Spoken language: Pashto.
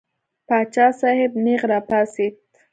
پاچا صاحب نېغ را پاڅېد.